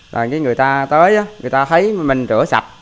rồi cái người ta tới người ta thấy mình rửa sạch